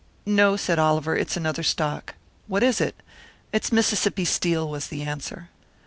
"No," said Oliver; "it's another stock." "What is it?" "It's Mississippi Steel," was the answer.